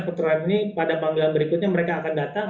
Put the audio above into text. ketika ini pada pemanggilan berikutnya mereka akan datang